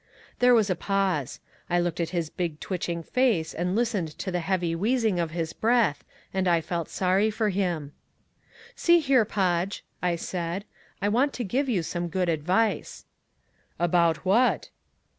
There was a pause. I looked at his big twitching face, and listened to the heavy wheezing of his breath, and I felt sorry for him. "See here, Podge," I said, "I want to give you some good advice." "About what?"